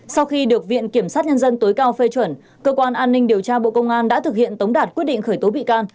sau khi được viện kiểm sát nhân dân tối cao phê chuẩn cơ quan an ninh điều tra bộ công an đã thực hiện tống đạt quyết định khởi tố bị can